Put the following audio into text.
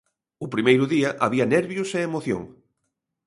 O primeiro día había nervios e emoción.